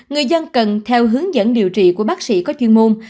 người dân cần theo hướng dẫn điều trị của bác sĩ có chuyên môn